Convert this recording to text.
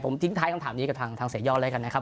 ผมทิ้งท้ายคำถามนี้กับทางเสียยอดแล้วกันนะครับ